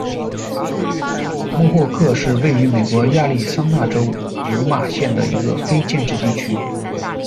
莫霍克是位于美国亚利桑那州尤马县的一个非建制地区。